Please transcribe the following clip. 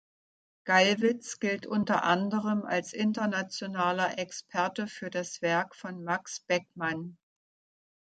Gallwitz gilt unter anderem als internationaler Experte für das Werk von Max Beckmann.